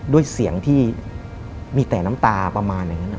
ด้วยเสียงที่มีแต่น้ำตาประมาณอย่างนั้น